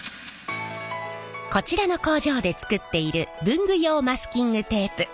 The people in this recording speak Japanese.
こちらの工場で作っている文具用マスキングテープ。